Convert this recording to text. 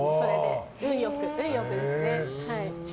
運良くですね。